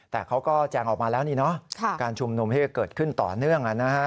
แต่เขาก็แจงออกมาแล้วนี่เนาะการชุมนุมที่จะเกิดขึ้นต่อเนื่อง